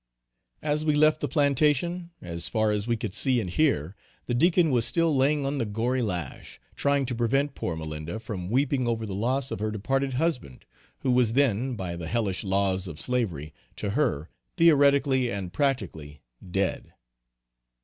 As we left the plantation, as far as we could see and hear, the Deacon was still laying on the gory lash, trying to prevent poor Malinda from weeping over the loss of her departed husband, who was then, by the hellish laws of slavery, to her, theoretically and practically dead.